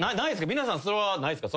皆さんそれはないっすか？